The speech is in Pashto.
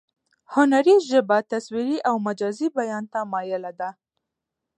هنري ژبه تصویري او مجازي بیان ته مایله ده